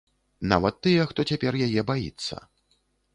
Нават тыя, хто цяпер яе баіцца.